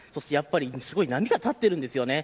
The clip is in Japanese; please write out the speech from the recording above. すごく波が立っているんです。